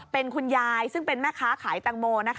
เป็นคุณยายซึ่งเป็นแม่ค้าขายแตงโม